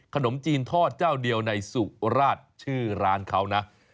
ขนมจีนทอดเจ้าเดียวในสุราชชื่อร้านเขานะ